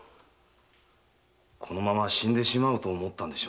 このまま死んでしまうと思ったんでしょうね。